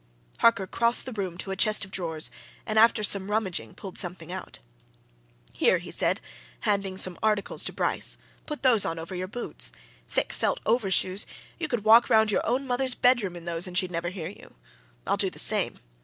Harker crossed the room to a chest of drawers, and after some rummaging pulled something out. "Here!" he said, handing some articles to Bryce. "Put those on over your boots. Thick felt overshoes you could walk round your own mother's bedroom in those and she'd never hear you. I'll do the same.